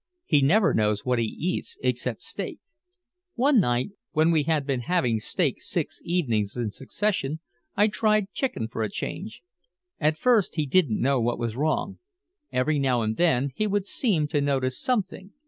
He never knows what he eats except steak. One night when we had been having steak six evenings in succession I tried chicken for a change. At first he didn't know what was wrong. Every now and then he would seem to notice something.